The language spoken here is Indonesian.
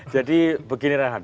jadi begini rehat